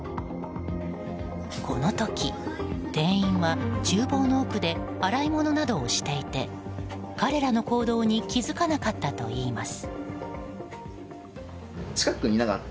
この時、店員は厨房の奥で洗い物などをしていて彼らの行動に気付かなかったといいます。